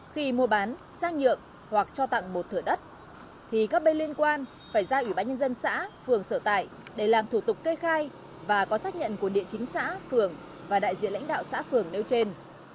khi mua bán sang nhượng hoặc cho tặng một thửa đất thì các bên liên quan phải ra ủy ban nhân dân xã phường sở tại để làm thủ tục kê khai và có xác nhận của địa chính xã phường và đại diện lãnh đạo xã phường nêu trên